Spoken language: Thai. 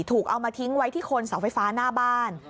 เอามาทิ้งไว้ที่โคนเสาไฟฟ้าหน้าบ้าน